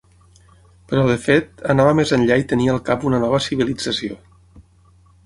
Però, de fet, anava més enllà i tenia al cap una nova civilització.